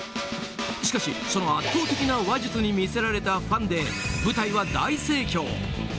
しかし、その圧倒的な話術に見せられたファンで舞台は大盛況。